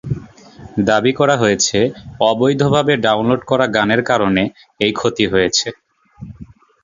দাবি করা হয়েছে, অবৈধভাবে ডাউনলোড করা গানের কারণে এই ক্ষতি হয়েছে।